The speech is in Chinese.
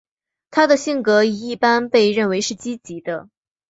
她的性格一般被认为是积极的。